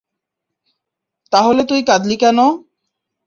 তাহলে তুই কাঁদলি কেন?